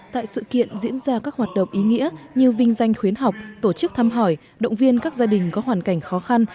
tại sự kiện diễn ra các hoạt động ý nghĩa như vinh danh khuyến học tổ chức thăm hỏi động viên các gia đình có hoàn cảnh khó khăn